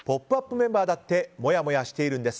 メンバーだってもやもやしているんです！